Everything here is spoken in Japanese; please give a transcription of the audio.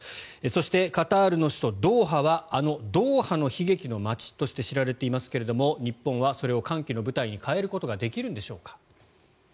そして、カタールの首都ドーハはあのドーハの悲劇の街として知られていますが日本はそれを歓喜の舞台に変えることができるんでしょうか。